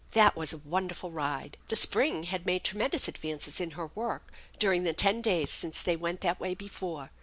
That was a wonderful ride. The spring had made tremendous advances in her work during the ten days since they went that way before.